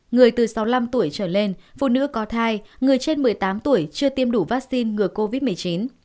người từ sáu mươi năm tuổi trở lên phụ nữ có thai người trên một mươi tám tuổi chưa tiêm đủ vaccine ngừa covid một mươi chín